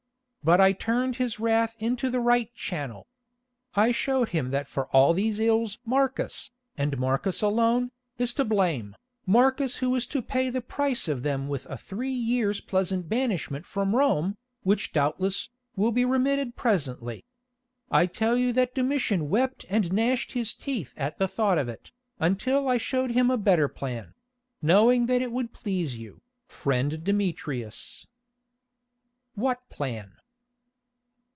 But I turned his wrath into the right channel. I showed him that for all these ills Marcus, and Marcus alone, is to blame, Marcus who is to pay the price of them with a three years' pleasant banishment from Rome, which doubtless, will be remitted presently. I tell you that Domitian wept and gnashed his teeth at the thought of it, until I showed him a better plan—knowing that it would please you, friend Demetrius." "What plan?"